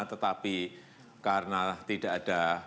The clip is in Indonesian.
tetapi karena tidak ada